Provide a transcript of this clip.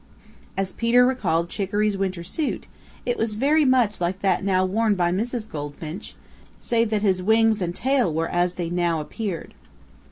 As Peter recalled Chicoree's winter suit, it was very much like that now worn by Mrs. Goldfinch, save that his wings and tail were as they now appeared.